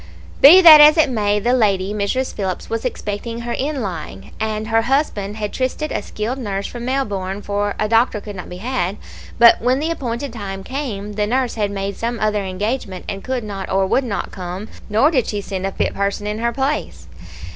"Be that as it may, the lady, Mrs. Phillips, was expecting her inlying, and her husband had trysted a skilled nurse from Melbourne, for a doctor could not be had; but when the appointed time came, the nurse had made some other engagement, and could not or would not come; nor did she send a fit person in her place.